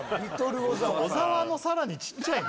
小沢のさらにちっちゃいの？